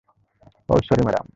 Oh, sorry madam.